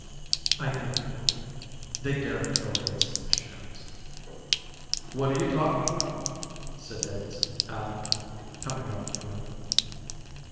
"I knew he wouldn't. They daren't go against the missionaries." "What are you talking about?" said Davidson affably, coming out to join them.